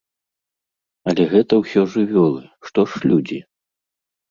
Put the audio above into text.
Але гэта ўсё жывёлы, што ж людзі?